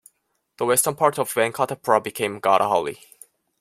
The western part of venkatapura became Guttahalli.